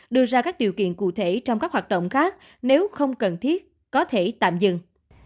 đưa ra các điều kiện cụ thể trong các hoạt động khác nếu không cần thiết có thể tạm dừng